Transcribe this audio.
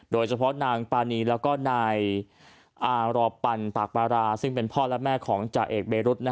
โดยเฉพาะนางปานีแล้วก็นายอารอปันปากปาราซึ่งเป็นพ่อและแม่ของจ่าเอกเบรุษ